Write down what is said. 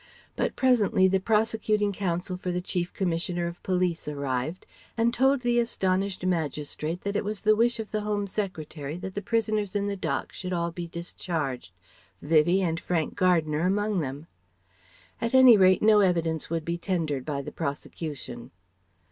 But presently the prosecuting counsel for the Chief Commissioner of Police arrived and told the astonished magistrate it was the wish of the Home Secretary that the prisoners in the dock should all be discharged, Vivie and Frank Gardner among them. At any rate no evidence would be tendered by the prosecution.